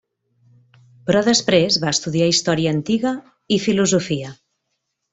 Però després, va estudiar història antiga i filosofia.